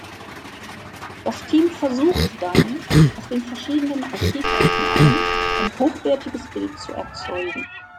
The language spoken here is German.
Das Team versucht dann, aus den verschiedenen Archivaufnahmen ein hochwertiges Bild zu erzeugen.